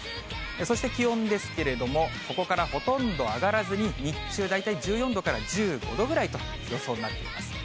そして気温ですけれども、ここからほとんど上がらずに、日中、大体１４度から１５度ぐらいと予想になっています。